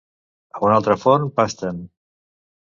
A un altre forn pasten!